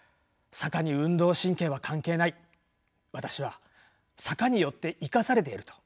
坂に運動神経は関係ない私は坂によって生かされていると。